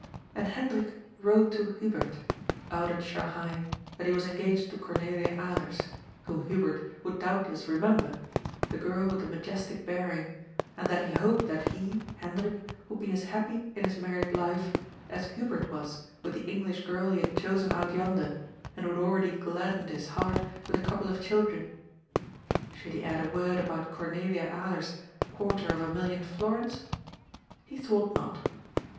And Hendrik wrote to Hubert, out at Shanghai, that he was engaged to Cornelia Alers, whom Hubert would doubt less remember, the girl with the majestic bearing, and that he hoped that he — Hendrik — ^would be as happy in his mar ried life as Hubert was with the English girl he had chosen out yonder, and who had already gladdened his heart with a couple of children. Should he add a word about Cornelia Aler's quarter of a million florins ? He thought not.